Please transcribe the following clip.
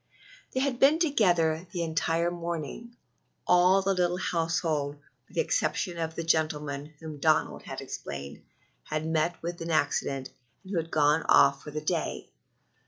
They had been together the entire morning all the little household, with the exception of the gentleman who, Donald had explained, had met with the accident, and who had gone off for the day.